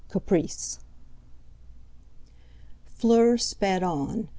—CAPRICE Fleur sped on.